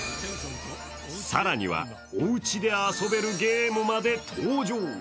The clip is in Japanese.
更には、おうちで遊べるゲームまで登場。